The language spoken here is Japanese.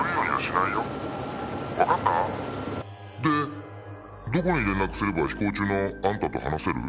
「わかった？」でどこに連絡すれば飛行中のあんたと話せる？